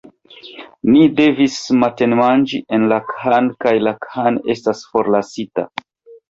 Ni devis matenmanĝi en la khan kaj la khan estas forlasita!